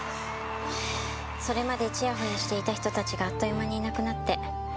それまでちやほやしていた人たちがあっという間にいなくなって。